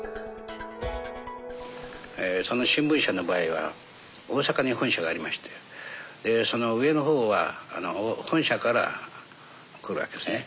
その新聞社の場合は大阪に本社がありましてその上の方は本社から来るわけですね。